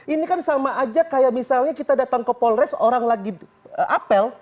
ini kan sama aja kayak misalnya kita datang ke polres orang lagi apel